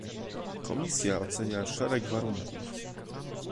Komisja ocenia szereg warunków